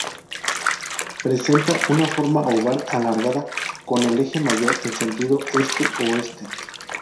Presenta una forma oval alargada con el eje mayor en sentido este-oeste.